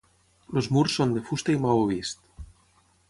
Els murs són de fusta i maó vist.